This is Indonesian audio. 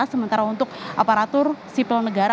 sementara untuk aparatur sipil negara